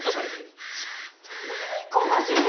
ちょっと何この授業？